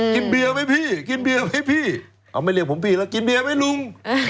กินเบียร์ไหมพี่เอาไม่เรียกผมพี่แล้วกินเบียร์ไหมลุง